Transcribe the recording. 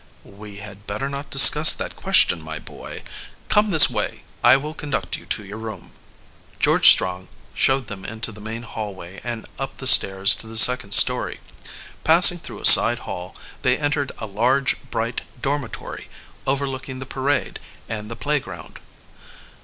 "We had better not discuss that question, my boy. Come this way; I will conduct you to your room." "George Strong showed them into the main hallway and up the stairs to the second story. Passing through a side hall, they entered a large, bright dormitory overlooking the parade and the playground.